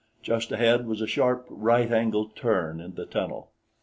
Just ahead was a sharp right angle turn in the tunnel.